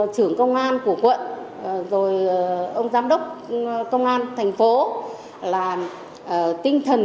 trưởng công an của quận rồi ông giám đốc công an thành phố là tinh thần